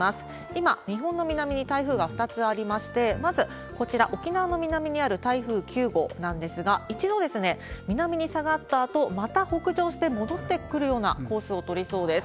今、日本の南に台風が２つありまして、まずこちら、沖縄の南にある台風９号なんですが、一度南に下がったあと、また北上して戻ってくるようなコースを取りそうです。